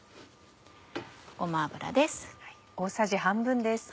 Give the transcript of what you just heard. ごま油です。